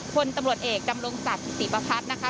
คนตำรวจเอกดำรงจัตร์ตี้ปะพัดนะคะ